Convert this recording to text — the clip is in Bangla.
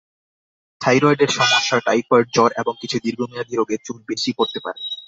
—থাইরয়েডের সমস্যা, টাইফয়েড জ্বর এবং কিছু দীর্ঘমেয়াদি রোগে চুল বেশি পড়তে পারে।